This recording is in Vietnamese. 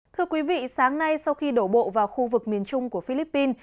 thưa quý vị sáng nay sau khi đổ bộ vào khu vực miền trung của philippines